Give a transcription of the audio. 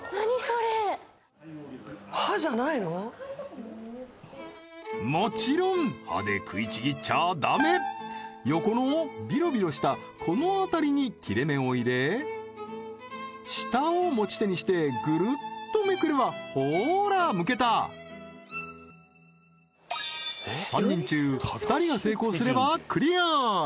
それもちろん歯で食いちぎっちゃダメ横のビロビロしたこの辺りに切れ目を入れ下を持ち手にしてグルッとめくればほーらむけた３人中２人が成功すればクリア